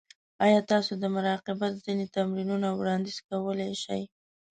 ایا تاسو د مراقبت ځینې تمرینونه وړاندیز کولی شئ؟